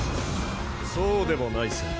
そうでもないさ。